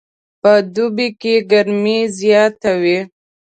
په دوبي کې ګرمي زیاته وي